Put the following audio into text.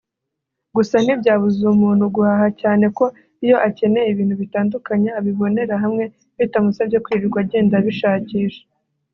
gusa ntibyabuza umuntu guhaha cyane ko iyo akeneye ibintu bitandukanye abibonera hamwe bitamusabye kwirirwa agenda abishakisha”